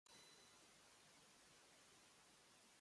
白君は軍人の家におり三毛君は代言の主人を持っている